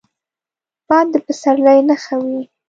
باد د پسرلي نښه وي